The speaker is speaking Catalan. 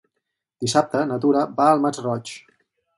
Dissabte na Tura va al Masroig.